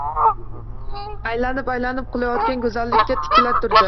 Aylanib-aylanib qulayotgan go’zallikka tikila turdi